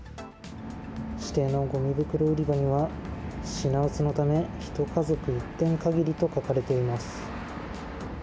指定のごみ袋売り場には、品薄のため、１家族１点限りと書かれています。